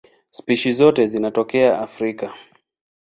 Spishi zote zinatokea Afrika.